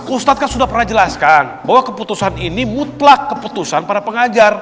ustadz kan sudah pernah jelaskan bahwa keputusan ini mutlak keputusan para pengajar